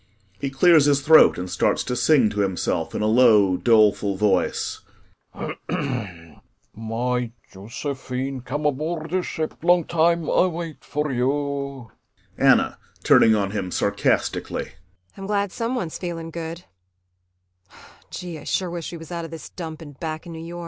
He clears his throat and starts to sing to himself in a low, doleful voice: "My Yosephine, come aboard de ship. Long time Ay wait for you." ANNA [Turning on him, sarcastically.